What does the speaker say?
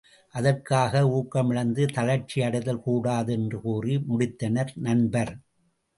அதற்காக ஊக்கமிழந்து தளர்ச்சி அடைதல் கூடாது என்று கூறி முடித்தனர் நண்பர்.